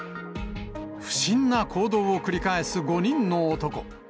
不審な行動を繰り返す５人の男。